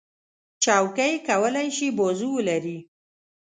چوکۍ کولی شي بازو ولري.